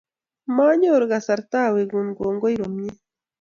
Manyoru kasarta awekun kongoi komye